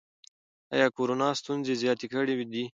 ایا کورونا ستونزې زیاتې کړي دي؟